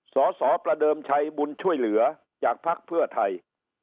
สสประเดิมชัยบุญช่วยเหลือจากภักดิ์เพื่อไทย